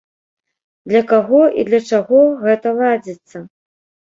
Для каго і для чаго гэта ладзіцца?